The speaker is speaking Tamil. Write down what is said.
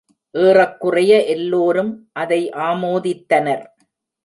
ஏறக்குறைய எல்லோரும் அதை ஆமோதித்தனர்.